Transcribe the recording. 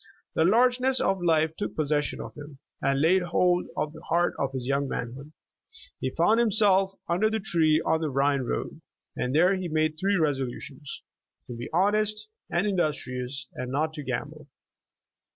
The largeness of life took pos session of him, and laid hold of the heart of his young ]nanhood. He found himself, under the tree on the Rhine road, and there he made three resolutions: ''To 38 Leaving Home be honest, and industrious, and not to gamble.''